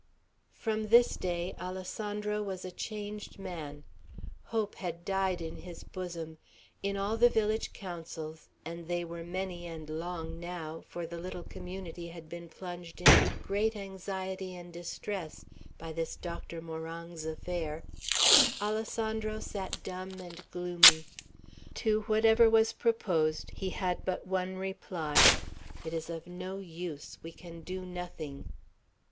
From this day Alessandro was a changed man. Hope had died in his bosom. In all the village councils, and they were many and long now, for the little community had been plunged into great anxiety and distress by this Doctor Morong's affair, Alessandro sat dumb and gloomy. To whatever was proposed, he had but one reply: "It is of no use. We can do nothing."